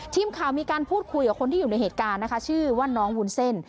ทีมข่าวมีการพูดคุยกับคนที่อยู่ในเหตุการณ์นะคะชื่อว่าน้องวุ้นเส้น